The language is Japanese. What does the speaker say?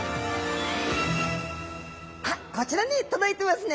あっこちらに届いてますね。